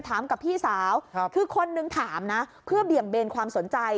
ถามกับพี่สาวคือคนนึงถามนะเพื่อเบี่ยงเบนความสนใจ